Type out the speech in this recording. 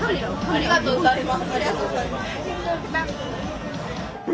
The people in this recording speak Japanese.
ありがとうございます。